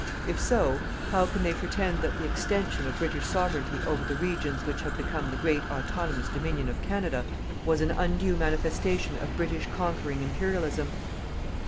If so, how can they pretend that the extension of British Sovereignty over the regions which have become the great autonomous Dominion of Canada was an undue manifestation of British conquering Imperialism?